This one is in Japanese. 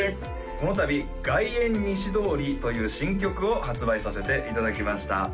この度「外苑西通り」という新曲を発売させていただきました